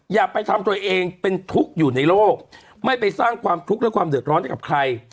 อย่าไปทำตัวเองเป็นทุกข์อยู่ในโลกไม่ไปสร้างความทุกข์และความเดือดร้อนให้กับใคร